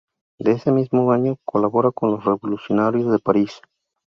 Desde ese mismo año colabora con los revolucionarios de París.